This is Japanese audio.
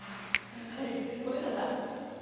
はい小遊三さん。